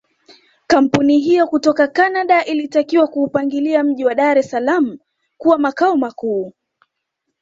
Kampuni hiyo kutoka Canada ilitakiwa kuupangilia mji wa Dar es salaam kuwa makao makuu